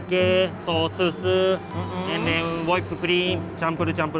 kita akan membuat dan menggunakan sos krim dan campur